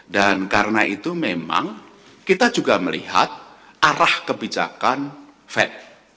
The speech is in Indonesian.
dan karena itu memang kita juga melihat arah kebijakan fed